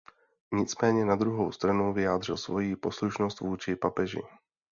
Nicméně na druhou stranu vyjádřil svoji poslušnost vůči papeži.